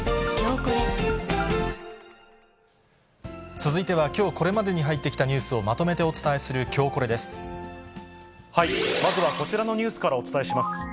続いては、きょうこれまでに入ってきたニュースをまとめてお伝えするきょうまずはこちらのニュースからお伝えします。